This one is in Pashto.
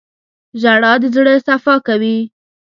• ژړا د زړه صفا کوي.